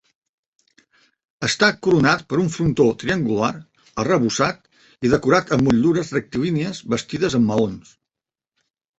Està coronat per un frontó triangular arrebossat i decorat amb motllures rectilínies bastides amb maons.